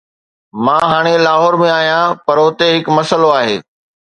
مان هاڻي لاهور ۾ آهيان، پر اتي هڪ مسئلو آهي.